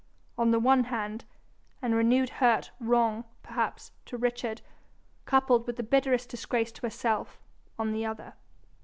on the one hand, and renewed hurt, wrong, perhaps, to Richard, coupled with the bitterest disgrace to herself, on the other.